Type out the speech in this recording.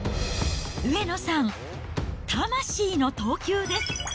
上野さん、魂の投球です。